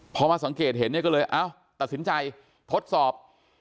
พอมาสังเกตเห็นเนี่ยก็เลยเอ้าตัดสินใจทดสอบ